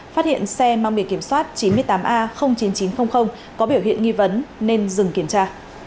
phát hiện xe mang bề kiểm soát chín mươi tám a chín nghìn chín trăm linh có biểu hiện nghi vấn nên dừng kiểm tra